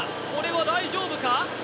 これは大丈夫か？